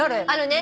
あれ。